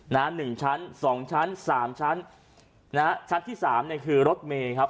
หนึ่งชั้นสองชั้นสามชั้นนะฮะชั้นที่สามเนี่ยคือรถเมย์ครับ